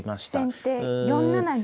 先手４七銀。